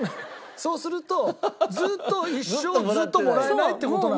そうするとずっと一生ずっともらえないって事なのよ。